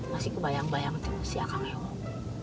masih kebayang bayang tuh si akang ewok